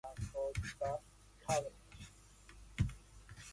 Only Storm Beach Cottage remains standing.